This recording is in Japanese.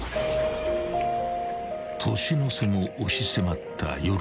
［年の瀬も押し迫った］